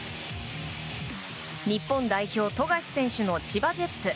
日本代表・富樫選手の千葉ジェッツ。